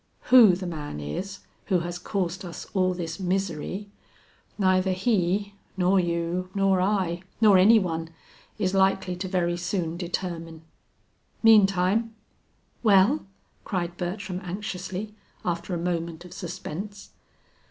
Who the man is who has caused us all this misery, neither he, nor you, nor I, nor any one, is likely to very soon determine. Meantime " "Well?" cried Bertram anxiously, after a moment of suspense.